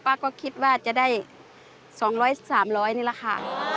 ป้าก็คิดว่าจะได้๒๐๐๓๐๐นี่แหละค่ะ